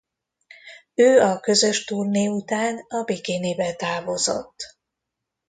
Ő a közös turné után a Bikinibe távozott.